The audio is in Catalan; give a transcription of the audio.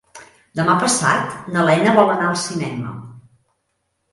Demà passat na Lena vol anar al cinema.